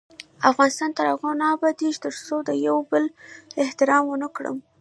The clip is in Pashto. افغانستان تر هغو نه ابادیږي، ترڅو د یو بل احترام ونه کړو.